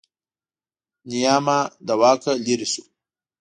نیاما له واکه لرې شو.